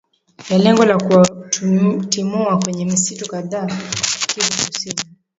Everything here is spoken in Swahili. ye lengo la kuwatimua kwenye misitu kadhaa kivu kusini